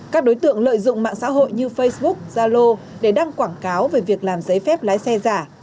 các đối tượng lợi dụng mạng xã hội như facebook zalo để đăng quảng cáo về việc làm giấy phép lái xe giả